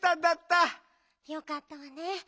よかったわね。